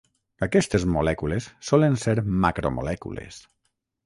Aquestes molècules solen ser macromolècules.